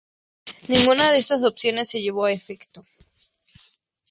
Ninguna de estas opciones se llevó a efecto.